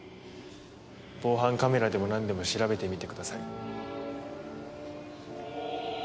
防犯カメラでもなんでも調べてみてください。